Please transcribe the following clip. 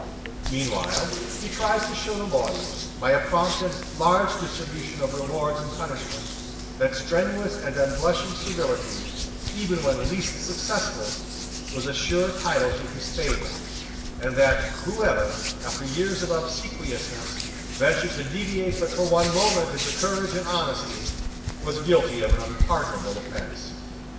Meanwhile he tried to show the lawyers, by a prompt and large distribution of rewards and punishments, that strenuous and unblushing servility, even when least successful, was a sure title to his favour, and that whoever, after years of obsequiousness, ventured to deviate but for one moment into courage and honesty was guilty of an unpardonable offence.